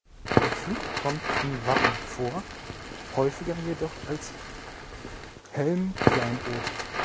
Der Flug kommt in Wappen vor, häufiger jedoch als Helmkleinod.